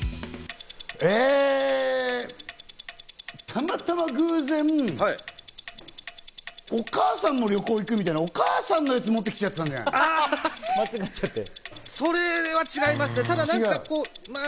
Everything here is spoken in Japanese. たまたま偶然、お母さんも旅行行くみたいな、お母さんのやつを持ってきちゃっそれは違いますね。